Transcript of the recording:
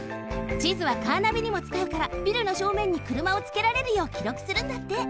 地図はカーナビにもつかうからビルのしょうめんにくるまをつけられるようきろくするんだって。